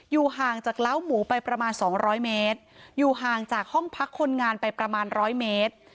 ห่างจากเล้าหมูไปประมาณ๒๐๐เมตรอยู่ห่างจากห้องพักคนงานไปประมาณร้อยเมตร